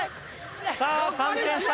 さあ３点差！